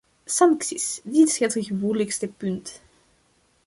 Sancties: dit is het gevoeligste punt.